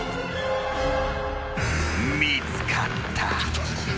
［見つかった］